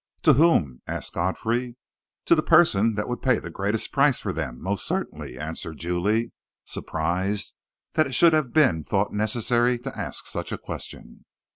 "To whom?" asked Godfrey. "To the person that would pay the greatest price for them, most certainly," answered Julie, surprised that it should have been thought necessary to ask such a question.